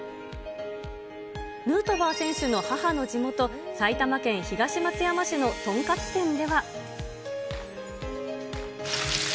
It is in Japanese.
ヌートバー選手の母の地元、埼玉県東松山市の豚カツ店では。